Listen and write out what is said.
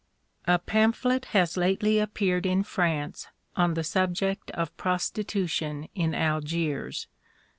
A pamphlet has lately appeared in France on the subject of Prostitution in Algiers.